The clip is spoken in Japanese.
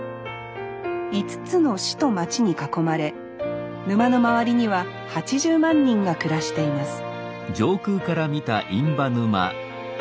５つの市と町に囲まれ沼の周りには８０万人が暮らしています